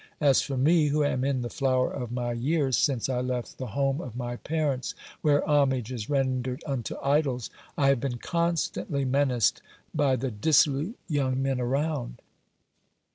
As for me, who am in the flower of my years, since I left the home of my parents where homage is rendered unto idols, I have been constantly menaced by the dissolute young men around.